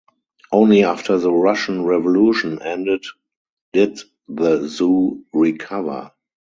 Only after the Russian Revolution ended did the zoo recover.